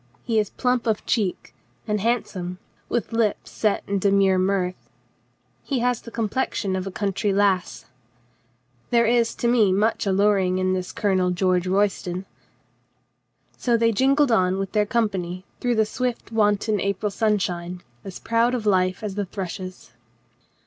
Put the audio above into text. He is plump of cheek and handsome, with lips set in demure mirth. He has the com plexion of a country lass. There is to me much LADY LEPE MEETS TWIN BRETHREN 9 alluring in this Colonel George Royston. So they jingled on with their company through the swift wanton April sunshine, as proud of life .as the thrushes.